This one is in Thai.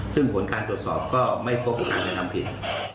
ซึ่งผลการตรวจสอบก็ไม่พบการกระทำผิด